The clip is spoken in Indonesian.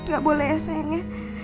gak boleh ya sayang ya